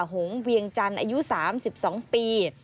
หงเวียงจันทร์อายุ๓๒ปี